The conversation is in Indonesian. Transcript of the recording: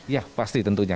ya pasti tentunya